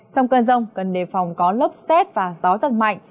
trong cơn rông cần đề phòng có lốc xét và gió giật mạnh